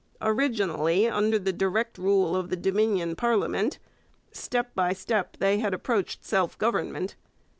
Originally under the direct rule of the Dominion parliament, step by step they had approached self government.